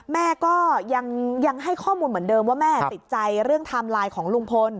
แม่ก็ยังให้ข้อมูลเหมือนเดิมว่าแม่ติดใจเรื่องไทม์ไลน์ของลุงพล